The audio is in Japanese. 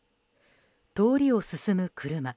通りを進む車。